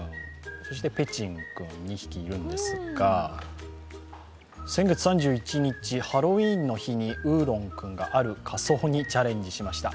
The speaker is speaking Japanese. そしてぺちんくん、２匹いるんですが、先月３１日、ハロウィーンの日にうーろん君がある仮装にチャレンジしました。